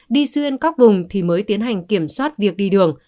đi xuyên các vùng thì mới tiến hành kiểm soát việc đi đường